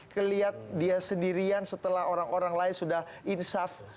kelihat dia sendirian setelah orang orang lain sudah insafi